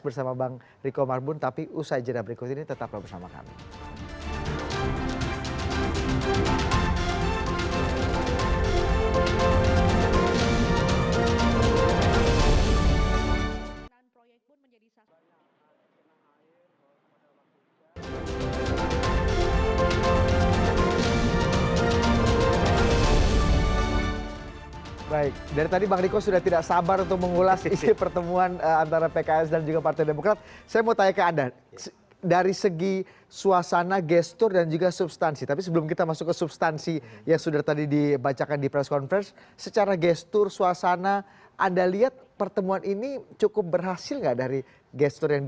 bersama bang riko marbun